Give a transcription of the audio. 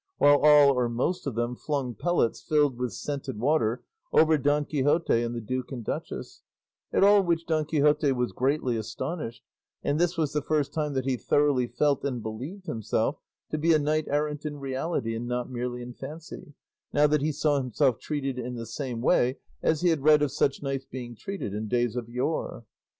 while all or most of them flung pellets filled with scented water over Don Quixote and the duke and duchess; at all which Don Quixote was greatly astonished, and this was the first time that he thoroughly felt and believed himself to be a knight errant in reality and not merely in fancy, now that he saw himself treated in the same way as he had read of such knights being treated in days of yore.